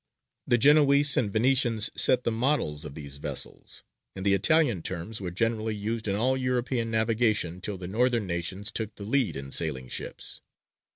The Genoese and Venetians set the models of these vessels, and the Italian terms were generally used in all European navigation till the northern nations took the lead in sailing ships.